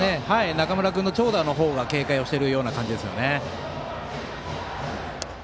中村君の長打を警戒をしているような感じですね。